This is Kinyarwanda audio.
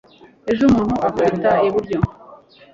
ejo umuntu akubita ibiryo